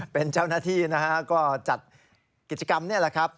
เป็นเจ้าหน้าที่นะฮะก็จัดกิจกรรมนี่แหละครับ